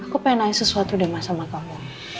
aku pengen naik sesuatu deh mas sama kamu